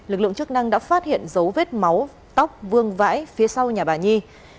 lực lượng chức năng đã phát hiện dấu vết máu tóc vương vãi phía sau nhà bà nhi